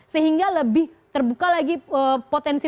sehingga lebih terbuka lagi potensi